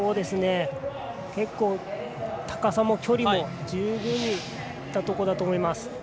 結構、高さも距離も十分だと思います。